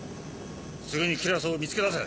すぐにキュラソーを見つけ出せ。